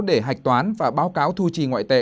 để hạch toán và báo cáo thu trì ngoại tệ